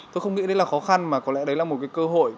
tôi không nghĩ đấy là khó khăn mà có lẽ đấy là một cái cơ hội